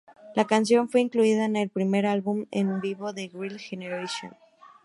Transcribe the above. La canción fue incluida en el primer álbum en vivo de Girls' Generation.